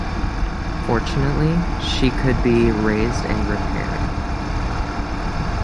Fortunately, she could be raised and repaired.